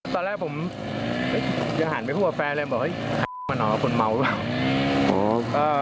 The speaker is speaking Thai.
ตอนแรกผมยังห่านไม่คู่กับแฟนเลยบอกอ้ามานอนคนเมาหรือเปล่า